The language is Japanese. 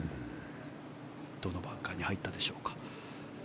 どのバンカーに入ったでしょうか。